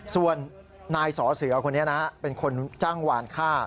ส่วนนายสอเสือคนนี้นะเป็นคนจ้างวานฆ่า